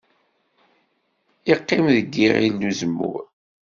Iqqim deg yiɣil n uzemmur.